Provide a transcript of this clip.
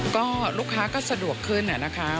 ก็ลูกค้าก็สะดวกขึ้นนะคะ